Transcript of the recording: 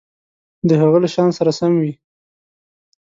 د هغه له شأن سره سم وي.